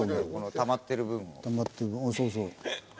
たまってる部分そうそう。